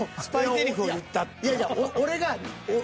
俺が。